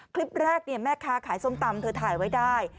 คลิปแรกแม่ค้าขายส้มตำเธอถ่ายไว้ได้